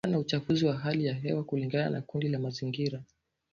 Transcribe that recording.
kutokana na uchafuzi wa hali ya hewa kulingana na kundi la mazingira